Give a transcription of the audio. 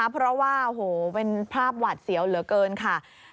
เพราะว่าโอ้โหเป็นภาพหวาดเสียวเหลือเกินค่ะ